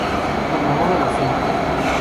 Como, oro decente".